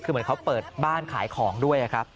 คือเหมือนเขาเปิดบ้านขายของด้วยครับ